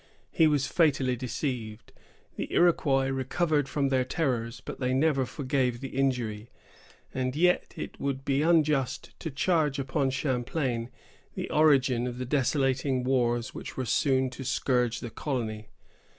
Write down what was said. He was fatally deceived. The Iroquois recovered from their terrors, but they never forgave the injury, and yet it would be unjust to charge upon Champlain the origin of the desolating wars which were soon to scourge the colony.